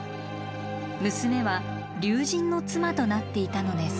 娘は竜神の妻となっていたのです。